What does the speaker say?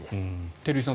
照井さん